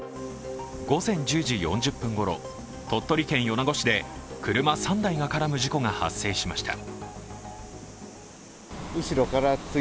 午前１０時４０分ごろ、鳥取県米子市で車３台が絡む事故が発生しました。